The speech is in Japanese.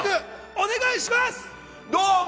早速お願いします。